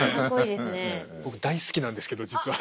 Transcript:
僕大好きなんですけど実は。